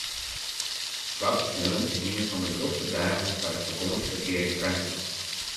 Swarte saterdei is ien fan de drokste dagen foar it fakânsjeferkear yn Frankryk.